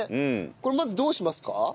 これまずどうしますか？